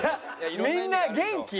みんな元気？